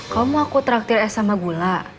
kamu aku traktir es sama gula